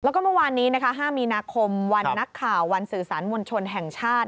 แล้วก็เมื่อวานนี้๕มีนาคมวันนักข่าววันสื่อสารมวลชนแห่งชาติ